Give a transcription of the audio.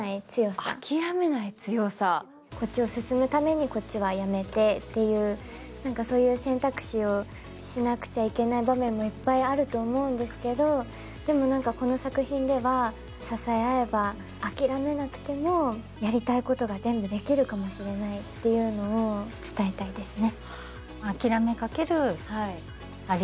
こっちを進むために、こっちはやめてという選択肢をしなくちゃいけない場面もいっぱいあると思うんですけどでも、この作品では支え合えば、あきらめなくてもやりたいことが全部できるかもしれないっていうのを伝えたいですね。